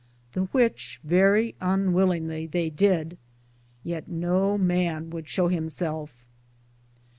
The which verrie unwillingly they dide, yeate no man would show himselfe.